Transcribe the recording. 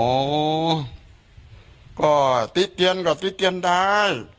โอ้โหก็ติเตียนก็ติเตียนได้